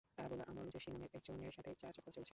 তারা বললো আমল যোশি নামের একজনের সাথে তার চক্কর চলছে।